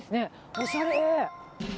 おしゃれ。